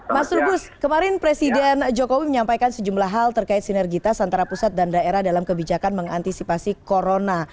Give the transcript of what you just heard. mas rubus kemarin presiden jokowi menyampaikan sejumlah hal terkait sinergitas antara pusat dan daerah dalam kebijakan mengantisipasi corona